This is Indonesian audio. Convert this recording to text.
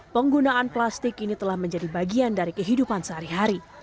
penggunaan plastik ini telah menjadi bagian dari kehidupan sehari hari